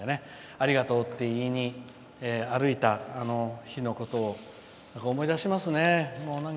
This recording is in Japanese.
ありがとうって言いに歩いた日のことを思い出しますね。